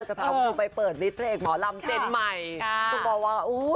จะพาคุณผู้ชมไปเปิดฤทธิพระเอกหมอลำเซ็นใหม่ค่ะต้องบอกว่าอู้